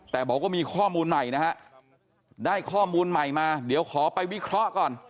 แต่บอกว่ามีข้อมูลใหม่นะฮะได้ข้อมูลใหม่มาเดี๋ยวขอไปวิเคราะห์ก่อน